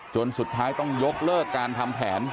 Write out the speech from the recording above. จนสุดท้ายต้องยกเลิกการทำแผน